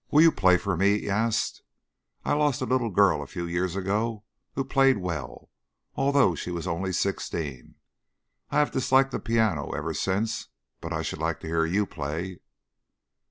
"Will you play for me?" he asked. "I lost a little girl a few years ago who played well, although she was only sixteen. I have disliked the piano ever since, but I should like to hear you play."